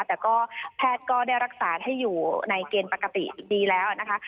แต่ก็แพทย์ก็ได้รักษาให้อยู่ในเกณฑ์ปกติดีแล้วนะคะ